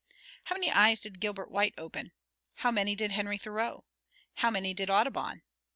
How many eyes did Gilbert White open? how many did Henry Thoreau? how many did Audubon?